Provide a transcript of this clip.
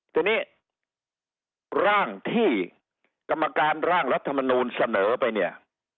ทีนี้ร่างที่กรรมการร่างรัฐมนูลเสนอไปเนี่ย